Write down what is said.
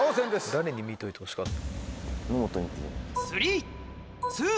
誰に見といてほしかった？